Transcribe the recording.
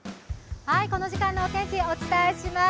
この時間のお天気、お伝えします。